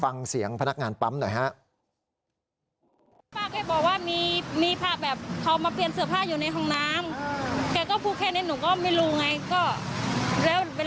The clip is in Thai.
ฟังเสียงพนักงานปั๊มหน่อยฮะ